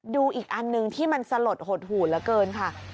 ดูอีกอันหนึ่งที่มันสลดหดหู่เหลือเกินค่ะ